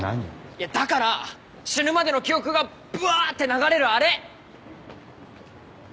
いやだから死ぬまでの記憶がぶわーって流れるあれ。